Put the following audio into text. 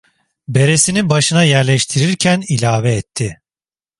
Beresini başına yerleştirirken ilave etti.